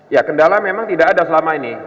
ya kendala memang tidak ada selama ini